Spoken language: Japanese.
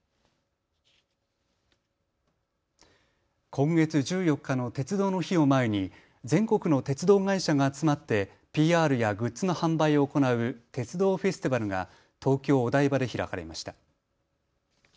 今月１４日の鉄道の日を前に全国の鉄道会社が集まってＰＲやグッズの販売を行う鉄道フェスティバルが東京お台場で開かれました。